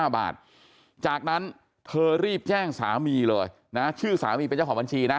บาทจากนั้นเธอรีบแจ้งสามีเลยนะชื่อสามีเป็นเจ้าของบัญชีนะ